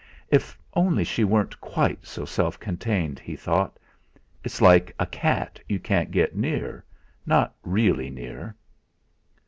'If only she weren't quite so self contained,' he thought; 'It's like a cat you can't get near, not really near!'